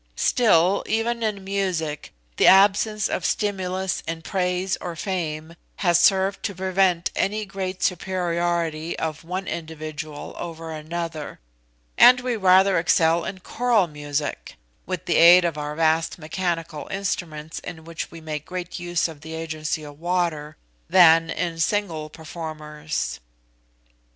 Still, even in music the absence of stimulus in praise or fame has served to prevent any great superiority of one individual over another; and we rather excel in choral music, with the aid of our vast mechanical instruments, in which we make great use of the agency of water,* than in single performers."